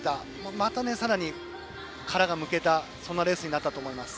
またさらに殻がむけたそんなレースになったと思います。